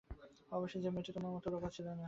অবশ্যি সে মেয়েটি তোমার মতো রোগা ছিল না।